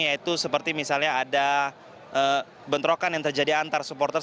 yaitu seperti misalnya ada bentrokan yang terjadi antar supporter